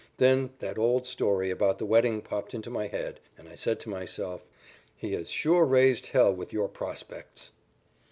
Then that old story about the wedding popped into my head, and I said to myself: "He has sure raised hell with your prospects."